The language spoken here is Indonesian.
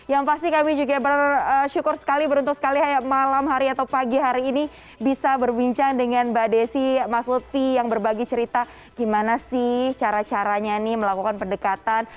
yang pasti kami juga bersyukur sekali beruntung sekali malam hari atau pagi hari ini bisa berbincang dengan mbak desi mas lutfi yang berbagi cerita gimana sih cara caranya nih melakukan pendekatan